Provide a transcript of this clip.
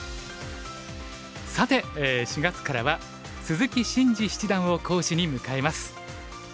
さて４月からは鈴木伸二七段を講師に迎えます。